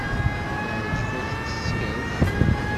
Teεǧeb-ak teskert?